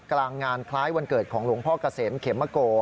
กลางงานคล้ายวันเกิดของหลวงพ่อเกษมเขมโก